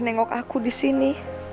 nengok aku disini